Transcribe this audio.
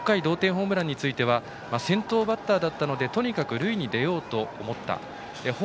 ６回、同点ホームランについては先頭バッターだったのでとにかく塁に出ようと思った。